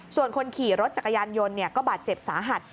ส่วนคนขี่รถจักรยานยนต์ก็บาดเจ็บสาหัส